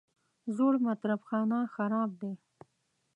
زوړ مطرب خانه خراب دی.